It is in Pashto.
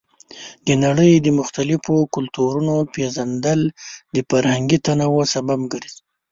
د نړۍ د مختلفو کلتورونو پیژندل د فرهنګي تنوع سبب ګرځي.